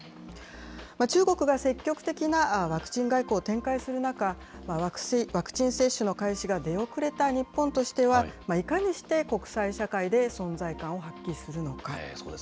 中国が積極的なワクチン外交を展開する中、ワクチン接種の開始が出遅れた日本としては、いかにして国際社会で存在感を発揮するのか。